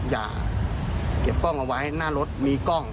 อย่าเก็บกล้องเอาไว้หน้ารถมีกล้อง